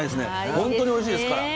本当においしいですから。